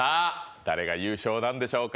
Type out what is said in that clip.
誰が優勝なんでしょうか。